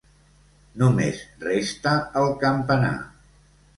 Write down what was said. Només resta el campanar.